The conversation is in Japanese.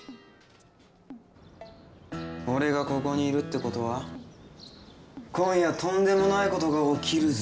俺がここにいるってことは今夜とんでもないことが起きるぜ。